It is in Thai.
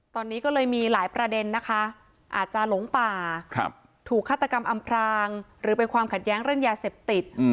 ตอนนี้ก็เลยมีหลายประเด็นนะคะอาจจะหลงป่าถูกฆาตกรรมอำพรางหรือเป็นความขัดแย้งเรื่องยาเสพติด